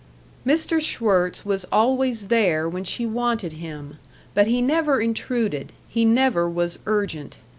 § 6 Mr. Schwirtz was always there when she wanted him, but he never intruded, he never was urgent.